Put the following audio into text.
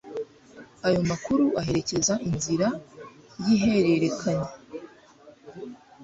ayo makuru aherekeza inzira y'ihererekanya